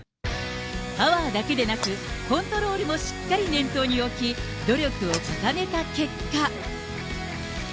パワーだけでなく、コントロールもしっかり念頭に置き、努力を重ねた結果。